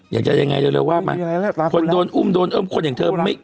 อยากจะยังไงเร็วว่ามาคนโดนอุ้มโดนเอิ้มคนอย่างเธอ